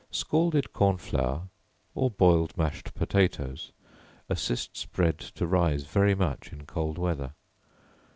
Scalded corn flour, or boiled mashed potatoes, assists bread to rise very much in cold weather.